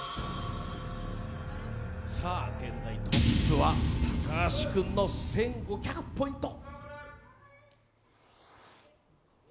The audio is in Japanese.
現在トップは高橋君の１５００ポイント。